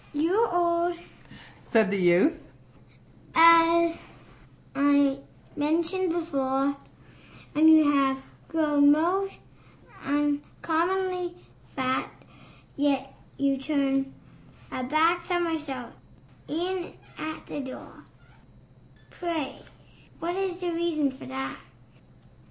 "You are old," said the youth, "as I mentioned before, And you have grown most uncommonly fat; Yet you turned a back somersault in at the door Pray what is the reason for that?"